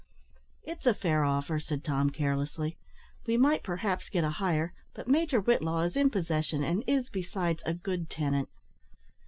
"It's a fair offer," said Tom, carelessly; "we might, perhaps, get a higher, but Major Whitlaw is in possession, and is, besides, a good tenant."